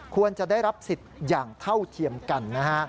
ควรจะได้รับสิทธิ์อย่างเท่าเทียมกันนะฮะ